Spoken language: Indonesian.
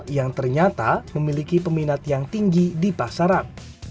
yang ternyata memiliki peminat yang tinggi di pasaran